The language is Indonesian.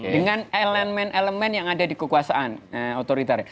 dengan elemen elemen yang ada di kekuasaan otoriter